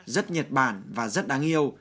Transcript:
rất nhật bản và rất đáng yêu